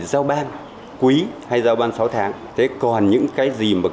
giao ban quý hay giao ban sáu tháng thế còn những cái gì mà